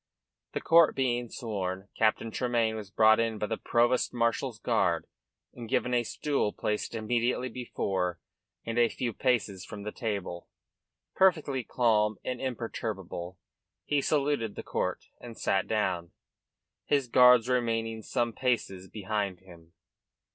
The court being sworn, Captain Tremayne was brought in by the provost marshal's guard and given a stool placed immediately before and a few paces from the table. Perfectly calm and imperturbable, he saluted the court, and sat down, his guards remaining some paces behind him.